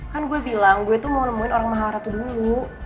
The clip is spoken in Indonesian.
kan gue bilang gue tuh mau nemuin orang maha ratu dulu